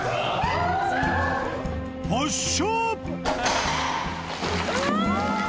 発射。